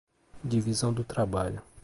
Divisão do trabalho